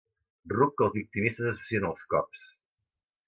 Ruc que els victimistes associen als cops.